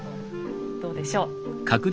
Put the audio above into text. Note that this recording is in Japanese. どうでしょう。